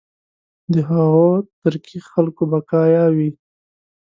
د هغو ترکي خلکو بقایا وي.